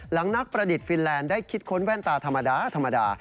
นักประดิษฐ์ฟินแลนด์ได้คิดค้นแว่นตาธรรมดาธรรมดา